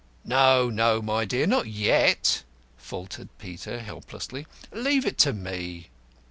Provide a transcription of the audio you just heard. "No, no, my dear, not yet," faltered Peter, helplessly; "leave it to me."